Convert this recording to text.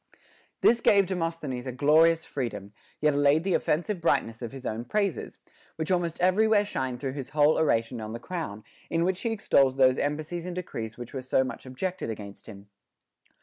This gave Demosthenes a glorious freedom, yet allayed the offensive brightness of his own praises, which almost everywhere shine through his whole Oration on the Crown, in which he extols those embassies and decrees which were so much objected against him.